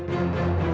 aku mau berjalan